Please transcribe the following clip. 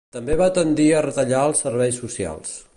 També va tendir a retallar els serveis socials.